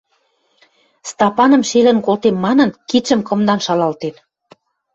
Стапаным шелӹн колтем манын, кидшӹм кымдан шалалтен